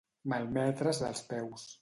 Malmetre's dels peus.